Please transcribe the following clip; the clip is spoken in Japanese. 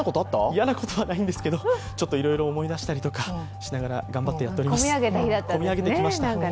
嫌なことはないんですけどいろいろ思い出したりしながらやっております。